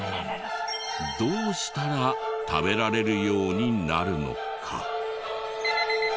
どうしたら食べられるようになるのか。